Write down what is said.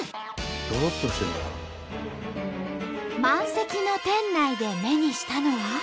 満席の店内で目にしたのは。